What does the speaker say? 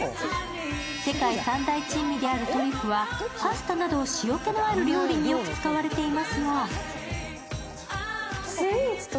世界三大珍味であるトリュフはパスタなど塩気のある料理によく使われていますが。